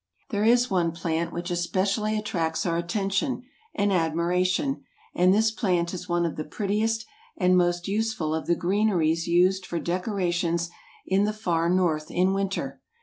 There is one plant which especially attracts our attention and admiration; and this plant is one of the prettiest and most useful of the greeneries used for decorations in the far north in winter.